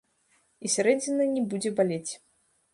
І сярэдзіна не будзе балець.